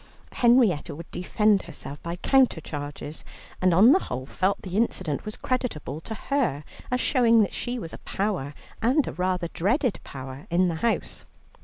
Henrietta would defend herself by counter charges, and on the whole felt the incident was creditable to her, as showing that she was a power, and a rather dreaded power, in the house.